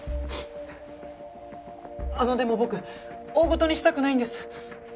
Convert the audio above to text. あのでも僕大ごとにしたくないんです。